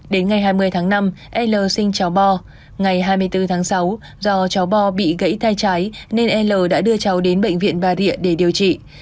đến ngày hai mươi tháng năm l sinh cháu bo ngày hai mươi bốn tháng sáu do cháu bo bị gãy tay trái nên l đã đưa cháu đến bệnh viện bà rịa để điều trị